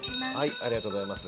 ありがとうございます。